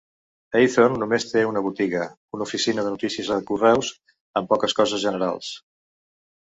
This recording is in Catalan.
Eythorne només té una botiga, una oficina de notícies de correus amb poques coses generals.